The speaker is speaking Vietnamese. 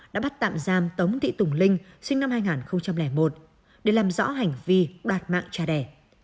đã bắt tạm giam tống thị tùng linh sinh năm hai nghìn một để làm rõ hành vi đoạt mạng cha đẻ